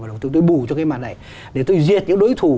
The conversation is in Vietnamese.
và tôi bù cho cái mặt này để tôi diệt những đối thủ